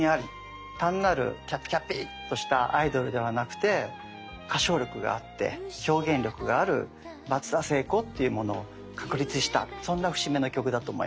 単なるきゃぴきゃぴっとしたアイドルではなくて歌唱力があって表現力がある松田聖子っていうものを確立したそんな節目の曲だと思います。